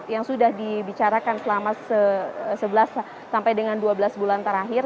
yang sudah dibicarakan selama sebelas sampai dengan dua belas bulan terakhir